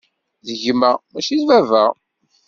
D gma, mačči d baba.